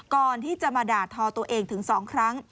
ก่อนที่จะมาด่าทอตัวเองถึง๒ครั้ง